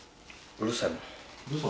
うるさい？